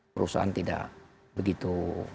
perusahaan tidak begitu